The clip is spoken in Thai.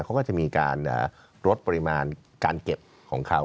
เขาก็จะมีการลดปริมาณการเก็บของเขา